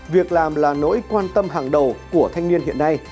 việc làm là nỗi quan tâm hàng đầu của thanh niên hiện nay